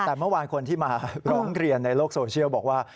แต่เมื่อวานคนที่มาร้องเรียนในโลกโซเชียลบอกว่า